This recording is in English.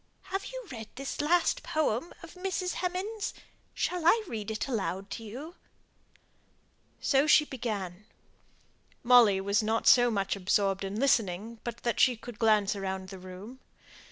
Have you read this last poem of Mrs. Hemans? Shall I read it aloud to you?" So she began. Molly was not so much absorbed in listening but that she could glance round the room.